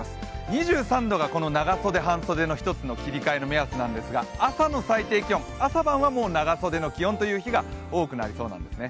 ２３度がこの長袖、半袖の１つの切りかえの目安なんですが、朝の最低気温、朝晩はもう長袖の気温という日が多くなりそうなんですね。